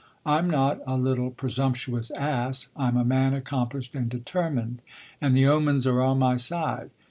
I'm not a little presumptuous ass; I'm a man accomplished and determined, and the omens are on my side."